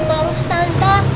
kok kurang taruh tante